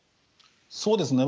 そうですね。